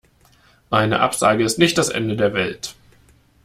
Eine Absage ist nicht das Ende der Welt.